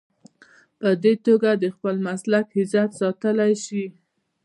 په دې توګه د خپل مسلک عزت ساتلی شي.